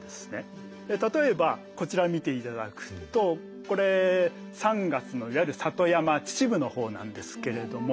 例えばこちらを見て頂くとこれ３月のいわゆる里山秩父のほうなんですけれども。